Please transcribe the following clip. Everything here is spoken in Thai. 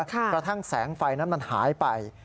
กระทั่งแสงไฟนั้นมันหายไป